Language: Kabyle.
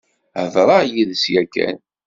Heḍṛeɣ yid-s yakan.